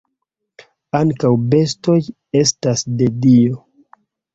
Ankaŭ bestoj estas de Dio.